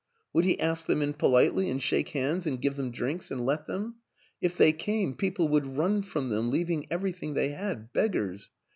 Would he ask them in politely and shake hands and give them drinks and let them? ... If they came, people would run from them, leaving everything they had beggars.